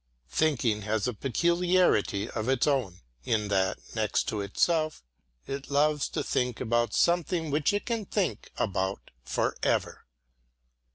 Thinking has a peculiarity of its own in that, next to itself, it loves to think about something which it can think about forever.